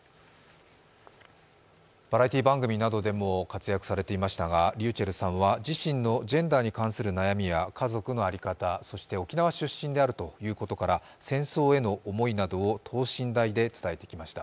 バラエティー番組などでも活躍されていましたがｒｙｕｃｈｅｌｌさんは自身のジェンダーに関する悩みや、家族の在り方、そして沖縄出身であるということから戦争への思いなどを等身大で伝えてきました。